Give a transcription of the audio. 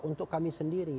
untuk kami sendiri